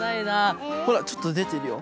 ほらちょっとでてるよ。